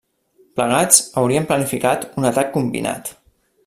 Plegats haurien planificat un atac combinat.